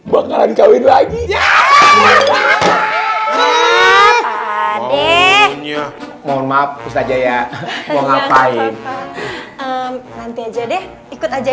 bakalan kawin lagi ya apa deh maunya mohon maaf ustadz aja ya mau ngapain nanti aja deh ikut aja